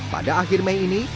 pada akhir mei ini